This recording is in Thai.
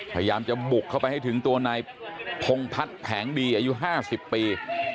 พยายามจะบุกเข้าไปให้ถึงตัวนายพงพัฒน์แผงดีอายุ๕๐ปี